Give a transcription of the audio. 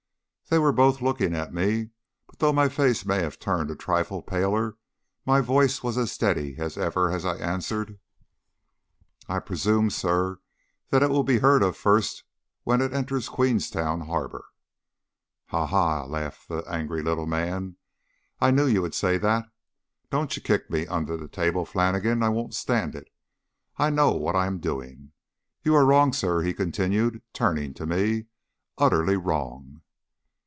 They were both looking at me; but though my face may have turned a trifle paler, my voice was as steady as ever as I answered "I presume, sir, that it will be heard of first when it enters Queenstown Harbour." "Ha, ha!" laughed the angry little man, "I knew you would say that. Don't you kick me under the table, Flannigan, I won't stand it. I know what I am doing. You are wrong, sir," he continued, turning to me, "utterly wrong."